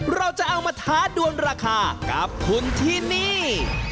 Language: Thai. เราจะเอามาท้าดวนราคากับคุณที่นี่